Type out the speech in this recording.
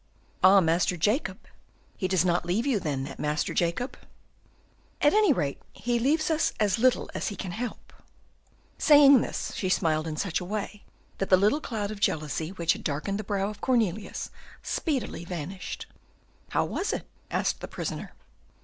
"Ah, Master Jacob; he does not leave you, then, that Master Jacob?" "At any rate, he leaves us as little as he can help." Saying this, she smiled in such a way that the little cloud of jealousy which had darkened the brow of Cornelius speedily vanished. "How was it?" asked the prisoner.